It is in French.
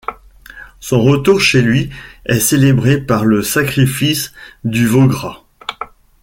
Son retour chez lui est célébré par le sacrifice du veau gras.